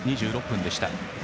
２６分でした。